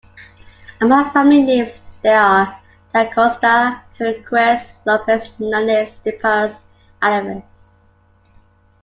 Among family names there are: Dacosta, Henriquez, Lopez Nunez, Depas, Alvares.